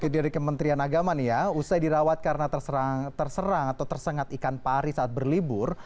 dari kementerian agama nih ya usai dirawat karena terserang atau tersengat ikan pari saat berlibur